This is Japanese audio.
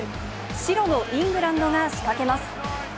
白のイングランドが仕掛けます。